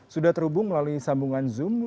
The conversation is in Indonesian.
sudah terhubung melalui sambungan zoom